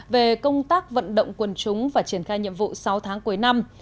về công tác vận động quần chúng và triển khai nhiệm vụ sáu tháng cuối năm